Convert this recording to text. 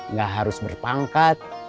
nggak harus berpangkat